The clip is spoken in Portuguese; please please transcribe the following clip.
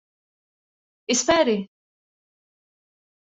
Espere!